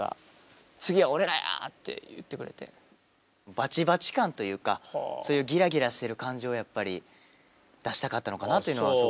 バチバチ感というかそういうギラギラしてる感じをやっぱり出したかったのかなというのはすごく感じますけど。